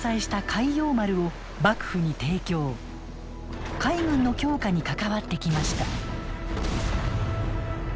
海軍の強化に関わってきました。